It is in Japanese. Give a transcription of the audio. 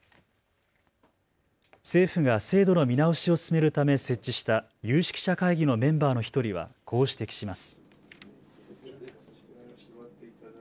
政府が制度の見直しを進めるため設置した有識者会議のメンバーの１人はこう指摘します。